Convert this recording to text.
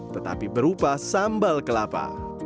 tetapi berupa sambal kelapa